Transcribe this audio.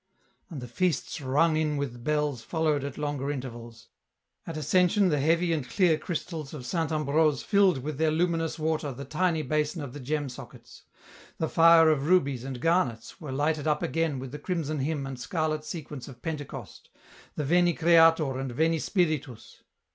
And the feasts rung in with bells followed at longer intervals. At Ascension the heavy and clear crystals of Saint Ambrose filled with their luminous water the tiny basin of the gem sockets ; the fire of rubies and garnets were lighted up again with the crimson hymn and scarlet sequence of Pentecost the " Veni Creator " and " Veni Spiritus."